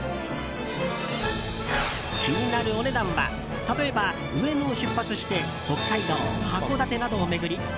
気になるお値段は例えば、上野を出発して北海道・函館などを巡り